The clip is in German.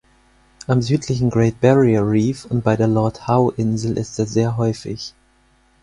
Am südlichen Great Barrier Reef und bei der Lord-Howe-Insel ist er sehr häufig.